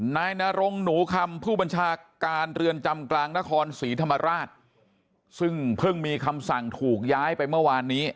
นายนรงหนูคำผู้บัญชาการเรือนจำกลางนครศรีธรรมราชซึ่งเพิ่งมีคำสั่งถูกย้ายไปเมื่อวานนี้